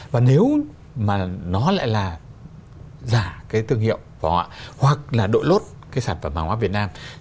và nếu mà nó lại là giả cái tương hiệu hoặc là đội lốt cái sản phẩm hàng hóa việt nam